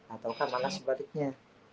ataukah malah sebaliknya